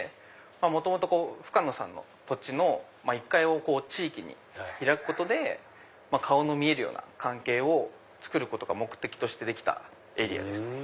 元々深野さんの土地を地域に開くことで顔の見えるような関係をつくることが目的としてできたエリアですね。